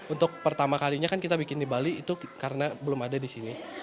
untuk pertama kalinya kan kita bikin di bali itu karena belum ada di sini